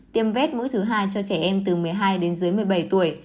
tiêm vét mũi thứ hai cho trẻ em từ một mươi hai đến dưới một mươi bảy tuổi